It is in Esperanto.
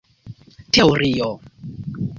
teorio